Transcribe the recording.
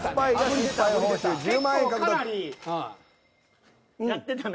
結構かなりやってたね。